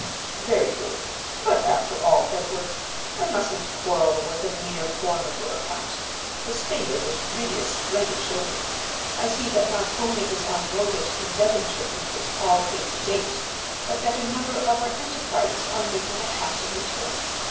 "Very good. But after all, Edward, I mustn't quarrel with the mere form of your accounts; the statement is really a splendid showing. I see that not only is our mortgage and debenture interest all paid to date, but that a number of our enterprises are making a handsome return.